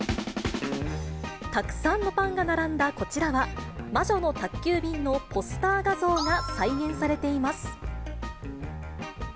たくさんのパンが並んだこちらは、魔女の宅急便のポスター画像が再現されています。